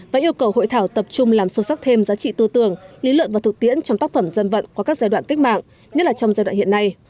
và yêu cầu hội thảo tập trung làm sâu sắc thêm giá trị tư tưởng lý luận và thực tiễn trong tác phẩm dân vận qua các giai đoạn cách mạng nhất là trong giai đoạn hiện nay